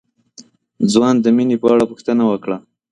ځوان د مينې په اړه پوښتنه وکړه.